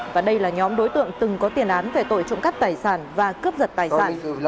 và đây là nhóm đối tượng từng có tiền án về tội trộm cắp tài sản và cướp giật tài sản